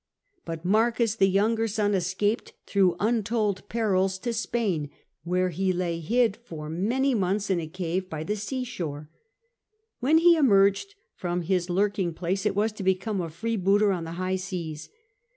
But Marcus, the younger son, escaped through untold perils to Spain, where he lay hid for many months in a cave by the sea shore. When he emerged from his lurking place, it was to become a freebooter on the high seas.